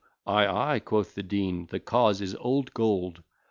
"Ay, ay," quoth the Dean, "the cause is old gold."